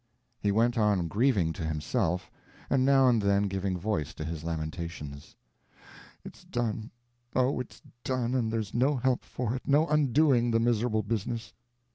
He went on grieving to himself, and now and then giving voice to his lamentations. "It's done, oh, it's done, and there's no help for it, no undoing the miserable business.